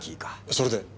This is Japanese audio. それで？